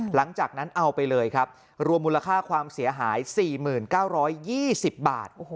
หลังจากนั้นเอาไปเลยครับรวมมูลค่าความเสียหาย๔๙๒๐บาท